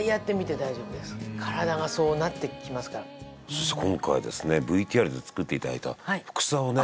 そして今回ですねＶＴＲで作っていただいたふくさをね。